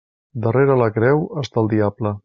Darrere la creu està el diable.